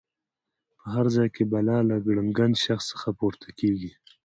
په هر ځای کې بلا له ګړنګن شخص څخه پورته کېږي.